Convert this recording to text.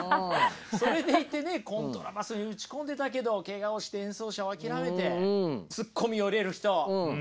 それでいてねコントラバスに打ち込んでたけどケガをして演奏者を諦めてツッコミを入れる人。